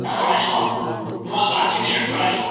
په دسترخوان برکت د مېلمه له امله دی.